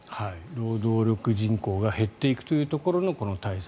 労働力人口が減っていくところのこの対策。